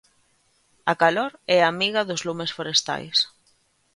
A calor é amiga dos lumes forestais.